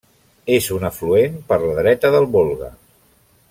És un afluent per la dreta del Volga.